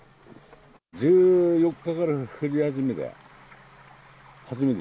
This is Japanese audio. １４日から降り始めた。